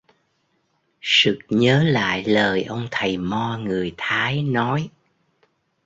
Sực nhớ lại lời ông thầy mo người thái nói